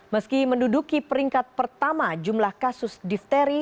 meski menduduki peringkat pertama jumlah kasus difteri